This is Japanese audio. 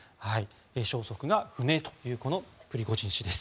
消息が不明というプリゴジン氏です。